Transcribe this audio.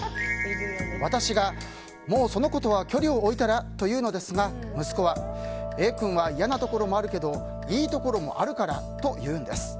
私がもうその子とは距離を置いたらと言うのですが息子はＡ君は嫌なところもあるけどいいところもあるからと言うんです。